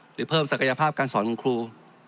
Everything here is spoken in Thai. หรือเพิ่มศักยภาพการสอนของครู